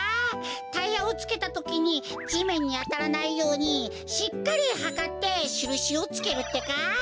タイヤをつけたときにじめんにあたらないようにしっかりはかってしるしをつけるってか。